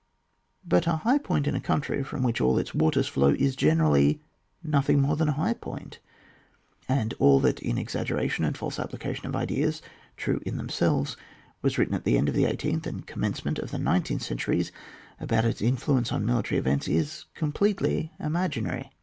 But a high point in a coiintry from which all its waters flow, is generally •nothing more than a high point; and all that in exaggeration and false ap plication of ideas, true in themselves, was written at the end of the eighteenth and commencement of the nineteenth centuries, about its influence on military events, is completely imaginary.